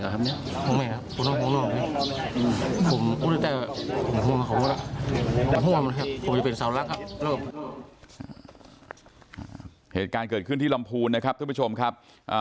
เหตุการณ์เกิดขึ้นที่ลำพูนนะครับท่านผู้ชมครับ